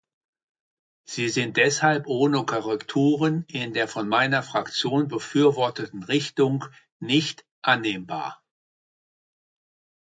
Sie sind deshalb ohne Korrekturen in der von meiner Fraktion befürworteten Richtung nicht annehmbar.